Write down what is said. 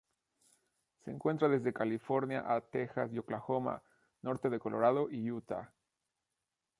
Se encuentra desde California a Texas y Oklahoma, norte de Colorado y Utah.